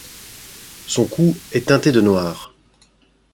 Son cou est teinté de noir.